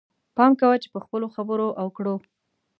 پام کوه چې په خپلو خبرو او کړو.